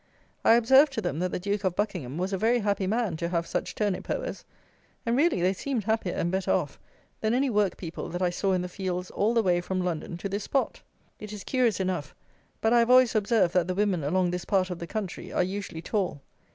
I observed to them that the Duke of Buckingham was a very happy man to have such turnip hoers, and really they seemed happier and better off than any work people that I saw in the fields all the way from London to this spot. It is curious enough, but I have always observed that the women along this part of the country are usually tall.